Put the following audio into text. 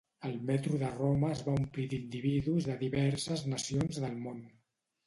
El Metro de Roma es va omplir d'individus de diverses nacions del món.